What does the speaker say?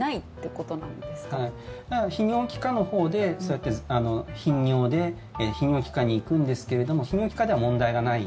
泌尿器科のほうでそうやって、頻尿で泌尿器科に行くんですけれども泌尿器科では問題がない。